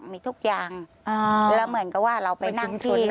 มีทุกอย่างแล้วเหมือนกับว่าเราไปนั่งที่